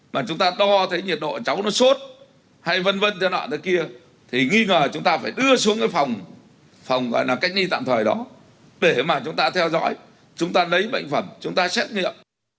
mà chúng ta đo thấy nhiệt độ cháu nó sốt hay vân vân giai đoạn thế kia thì nghi ngờ chúng ta phải đưa xuống cái phòng phòng gọi là cách ly tạm thời đó để mà chúng ta theo dõi chúng ta lấy bệnh phẩm chúng ta xét nghiệm